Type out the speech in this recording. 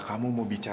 kamu mau bicara